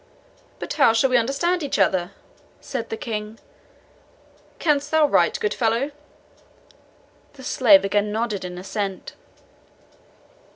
"But how shall we understand each other?" said the King. "Canst thou write, good fellow?" The slave again nodded in assent.